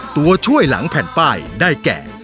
ตัวช่วยหลังแผ่นป้ายได้แก่